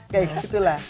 kayak gitu lah